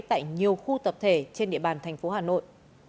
tại nhiều khu tập thể trên địa bàn thành phố hà nội